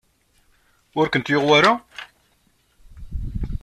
Ur kent-yuɣ wara?